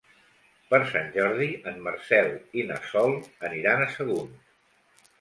Per Sant Jordi en Marcel i na Sol aniran a Sagunt.